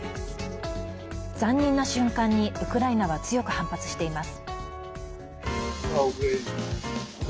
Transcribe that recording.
残忍な瞬間にウクライナは強く反発しています。